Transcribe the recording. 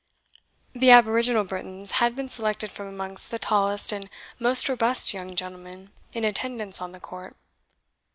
The aboriginal Britons had been selected from amongst the tallest and most robust young gentlemen in attendance on the court.